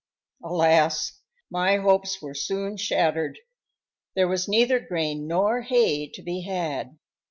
Alas! my hopes were soon shattered. There was neither grain nor hay to be had.